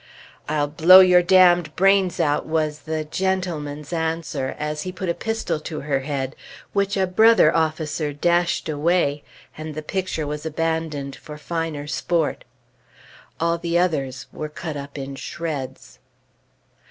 "I'll blow your damned brains out," was the "gentleman's" answer as he put a pistol to her head, which a brother officer dashed away, and the picture was abandoned for finer sport. All the others were cut up in shreds.